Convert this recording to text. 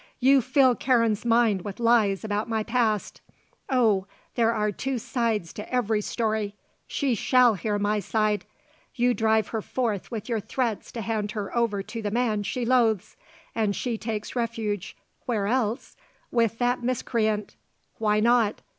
"You fill Karen's mind with lies about my past oh, there are two sides to every story! she shall hear my side! you drive her forth with your threats to hand her over to the man she loathes, and she takes refuge where else? with that miscreant. Why not?